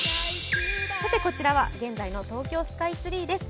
こちらは現在の東京スカイツリーです。